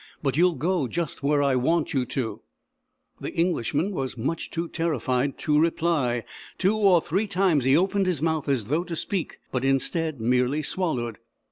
But you'll go just where I want you to." The Englishman was too much terrified to reply. Two or three times he opened his mouth as though to speak, but, instead, merely swallowed.